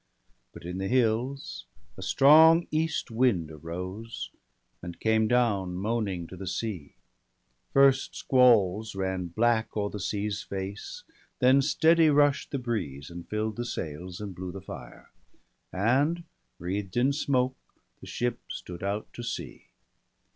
But in the hills a strong east wind arose, And came down moaning to the sea ; first squalls Ran black o'er the sea's face, then steady rush'd The breeze, and fill'd the sails, and blew the fire. BALDER DEAD. 173 And wreathed in smoke the ship stood out to sea.